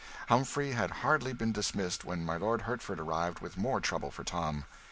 Humphrey had hardly been dismissed when my Lord Hertford arrived with more trouble for Tom.